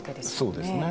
そうですね。